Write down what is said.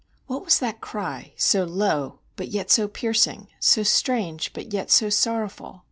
what was that cry, so low but yet so piercing, so strange but yet so sorrowful?